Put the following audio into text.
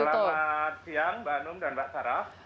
selamat siang mbak anum dan mbak sarah